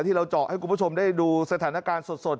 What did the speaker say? เราเจาะให้คุณผู้ชมได้ดูสถานการณ์สด